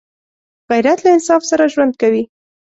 غیرت له انصاف سره ژوند کوي